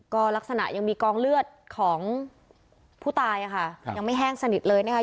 ก็ลักษณะยังมีกองเลือดของผู้ตายค่ะยังไม่แห้งสนิทเลยนะคะ